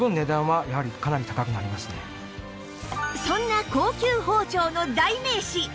そんな高級包丁の代名詞